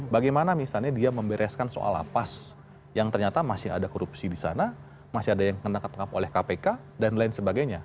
bagaimana misalnya dia membereskan soal lapas yang ternyata masih ada korupsi di sana masih ada yang kena ketangkap oleh kpk dan lain sebagainya